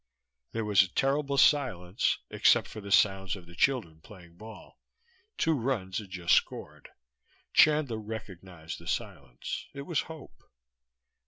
There was a terrible silence, except for the sounds of the children playing ball. Two runs had just scored. Chandler recognized the silence. It was hope.